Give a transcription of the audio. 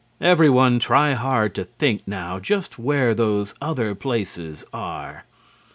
Everyone try hard to think now just where those other places are!